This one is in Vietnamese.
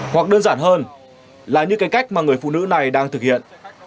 hoặc đơn giản hơn là như cái cách mà người phụ nữ này đang thực hiện